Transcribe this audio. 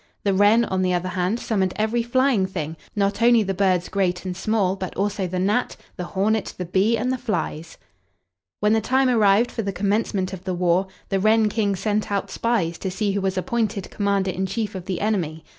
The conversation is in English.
The wren, on the other hand, summoned every flying thing; not only the birds, great and small, but also the gnat, the hornet, the bee, and the flies. When the time arrived for the commencement of the war, the wren King sent out spies to see who was appointed commander in chief of the enemy.